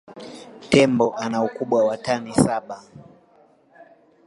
Tembo ana ukubwa wa tani saba